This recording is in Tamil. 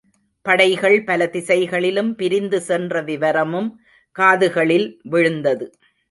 படைகள் பல திசைகளிலும் பிரிந்து சென்ற விவரமும் காதுகளில் விழுந்தது.